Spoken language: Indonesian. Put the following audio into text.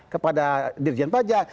kepada dirijen pajak